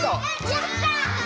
やった！